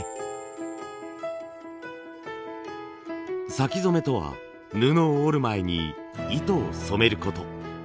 先染めとは布を織る前に糸を染めること。